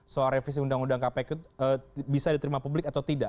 soal revisi undang undang kpk itu bisa diterima publik atau tidak